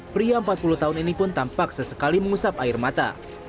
pria empat puluh tahun ini pun tampak sesekali mengusap air mata